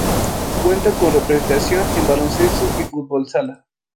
Cuenta con representación en baloncesto y fútbol sala.